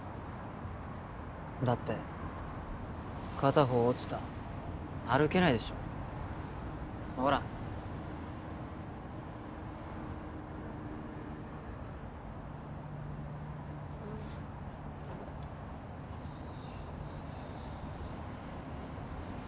だって片方落ちた歩けないでしょほらああ